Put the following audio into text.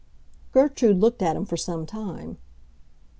Gertrude looked at him for some time.